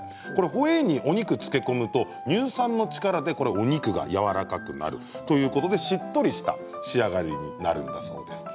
ホエーにお肉をつけ込むと乳酸の力でお肉がやわらかくなるということで、しっとりした仕上がりになるんだそうです。